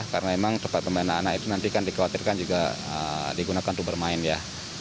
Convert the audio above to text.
karena memang tempat bermain anak itu nanti kan dikhawatirkan juga digunakan untuk bermain ya